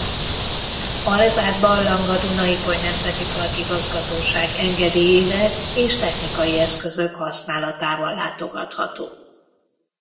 A lezárt barlang a Duna–Ipoly Nemzeti Park Igazgatóság engedélyével és technikai eszközök használatával látogatható.